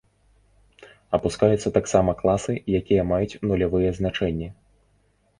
Апускаюцца таксама класы, якія маюць нулявыя значэнні.